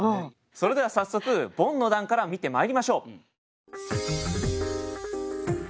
それでは早速ボンの段から見てまいりましょう。